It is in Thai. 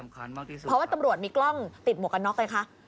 เพราะว่าตำรวจมีกล้องติดหมวกกันน็อกไงคะ